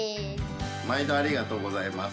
まいどありがとうございます。